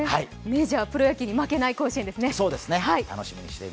メジャー、プロ野球に負けない甲子園ですね。